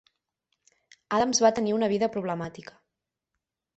Adams va tenir una vida problemàtica.